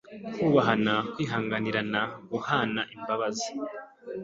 kubahana, kwihanganirana, guhana imbabazi,